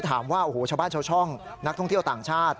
ถามว่าโอ้โหชาวบ้านชาวช่องนักท่องเที่ยวต่างชาติ